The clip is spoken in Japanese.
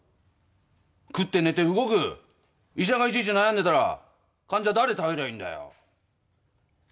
食って寝て動く医者がいちいち悩んでたら患者は誰を頼りゃいいんだよ